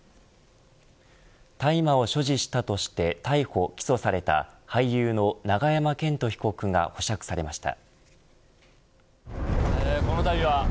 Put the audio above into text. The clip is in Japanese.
大麻を所持したとして逮捕・起訴された俳優の永山絢斗被告が保釈されました。